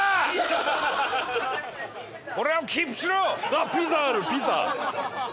あっピザあるピザ！